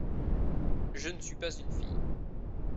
Je ne suis pas une fille.